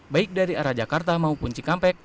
baik dari arah jakarta maupun cikampek